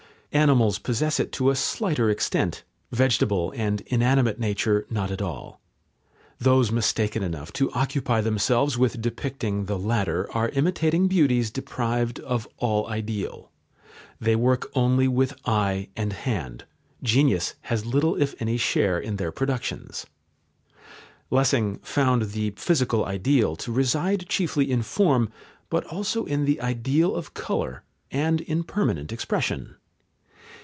Animals possess it to a slighter extent, vegetable and inanimate nature not at all. Those mistaken enough to occupy themselves with depicting the latter are imitating beauties deprived of all ideal. They work only with eye and hand; genius has little if any share in their productions. Lessing found the physical ideal to reside chiefly in form, but also in the ideal of colour, and in permanent expression.